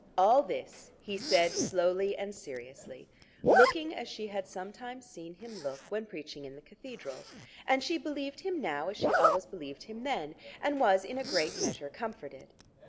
All this he said slowly and seriously, looking as she had sometimes seen him look when preaching in the cathedral. And she believed him now as she always believed him then, and was in a great measure comforted.